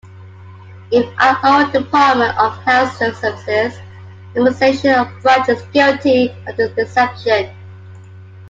Even our own Department of Health Services, Immunization Branch is guilty of this deception.